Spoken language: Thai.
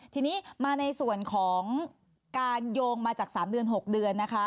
ทีนี้มาในส่วนของการโยงมาจาก๓เดือน๖เดือนนะคะ